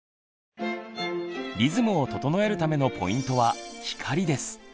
リズムを整えるためのポイントは光です。